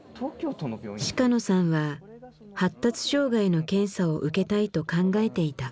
鹿野さんは発達障害の検査を受けたいと考えていた。